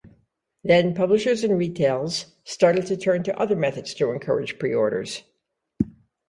Then, publishers and retails started to turn to other methods to encourage pre-orders.